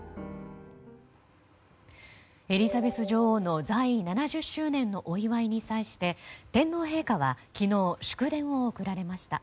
エリザベス女王の在位７０周年のお祝いに際して天皇陛下は昨日祝電を送られました。